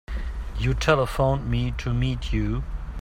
You telephoned me to meet you.